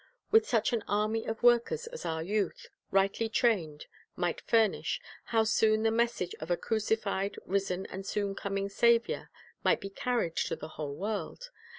With such an army of workers as our youth, rightly trained, might furnish, how soon the message of a crucified, risen, and soon coming Saviour might be carried to the whole world!